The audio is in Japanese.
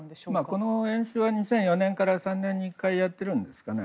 この演習は２０１４年から３年に一回やっているんですね。